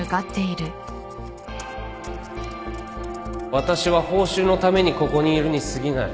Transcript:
私は報酬のためにここにいるにすぎない